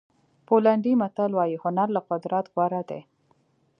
پولنډي متل وایي هنر له قدرت غوره دی.